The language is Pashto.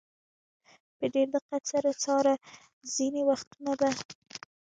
په ډېر دقت سره څاره، ځینې وختونه به.